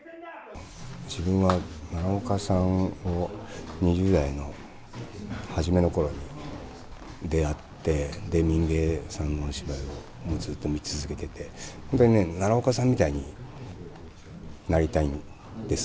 自分は奈良岡さんを２０代の初めの頃に出会ってで「民藝」さんのお芝居をずっと見続けててそれでね奈良岡さんみたいになりたいんです。